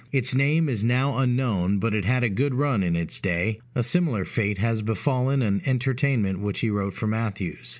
Its name is now unknown, but it had a good run in its day; a similar fate has befallen an entertainment which he wrote for Mathews.